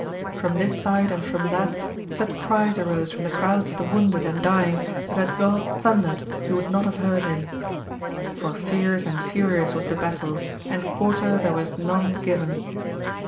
From this side and from that such cries arose from the crowds of the wounded and dying that had God thundered, you would not have heard Him ! For fierce and furious was the battle, and quarter there was none given.